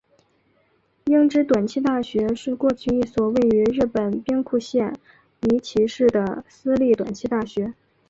英知短期大学是过去一所位于日本兵库县尼崎市的私立短期大学。